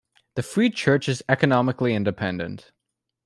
The Free Church is economically independent.